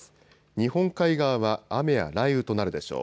日本海側は雨や雷雨となるでしょう。